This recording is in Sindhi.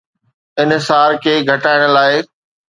انحصار کي گهٽائڻ لاء